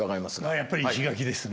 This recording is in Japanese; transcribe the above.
やっぱり石垣ですね。